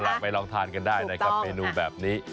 ลองไปลองทานกันได้นะครับเมนูแบบนี้